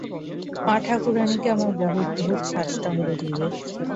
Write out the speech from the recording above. মা ঠাকুরাণীকে আমার বহুত বহুত সাষ্টাঙ্গ দিবে।